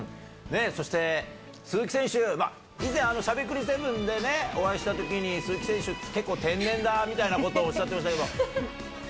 そして鈴木選手、以前、しゃべくり００７でねお会いしたときに、鈴木選手、結構天然だみたいなことおっしゃってましたけど。